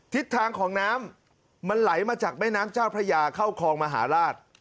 ทิศทางของน้ำมันไหลมาจากแม่น้ำเจ้าพระยาเข้าคลองมหาราช